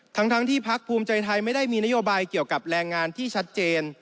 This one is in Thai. ทั้งที่พักภูมิใจไทยไม่ได้มีนโยบายเกี่ยวกับแรงงานที่ชัดเจน